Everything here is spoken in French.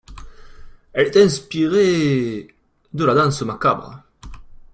Elle est inspirée de la danse macabre.